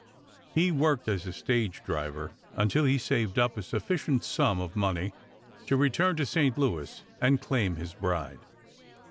He worked as a stage driver until he saved up a sufficient sum of money to return to St. Louis and claim his bride.